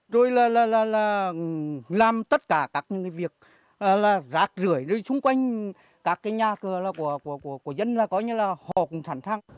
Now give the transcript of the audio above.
rồi là làm tất cả các cái việc rạc rưỡi đi xung quanh các cái nhà cửa là của dân là có nghĩa là họ cũng sẵn sàng